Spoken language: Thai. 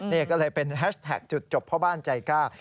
นี่ก็เลยเป็นแฮชแท็กจุดจบพ่อบ้านใจกล้า